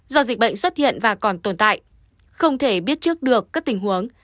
do dịch bệnh xuất hiện và còn tồn tại không thể biết trước được các tình huống